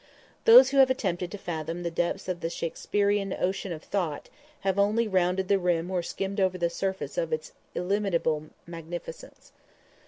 Those who have attempted to fathom the depths of the Shaksperian ocean of thought, have only rounded the rim or skimmed over the surface of its illimitable magnificence.